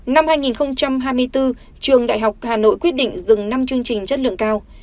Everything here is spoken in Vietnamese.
năm hai nghìn hai mươi bốn trường đại học hà nội quyết định dừng năm chương trình chất lượng cao